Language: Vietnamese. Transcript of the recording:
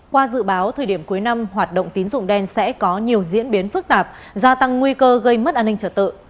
qua dự báo thời điểm cuối năm hoạt động tín dụng đen sẽ có nhiều diễn biến phức tạp gia tăng nguy cơ gây mất an ninh trật tự